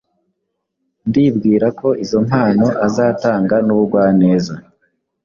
Ndibwira ko izo mpano azatanga nubugwaneza